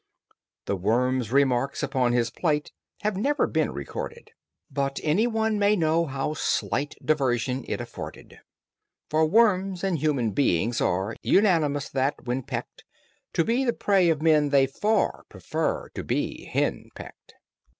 The worm's remarks upon his plight Have never been recorded, But any one may know how slight Diversion it afforded; For worms and human beings are Unanimous that, when pecked, To be the prey of men they far Prefer to being hen pecked.